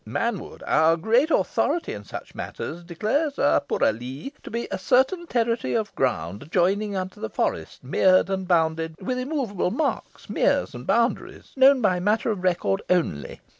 Manwood, our great authority in such matters, declares a pourallee to be 'a certain territory of ground adjoining unto the forest, mered and bounded with immovable marks, meres, and boundaries, known by matter of record only.'